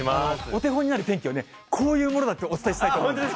お手本になる天気をね、こういうものだってお伝えしたいと思います。